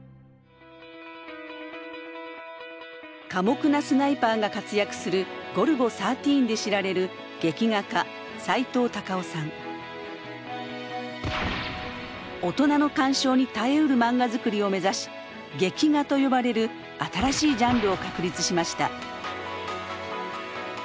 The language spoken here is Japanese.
寡黙なスナイパーが活躍する「ゴルゴ１３」で知られる大人の鑑賞に堪えうる漫画作りを目指し劇画と呼ばれる新しいジャンルを確立しました。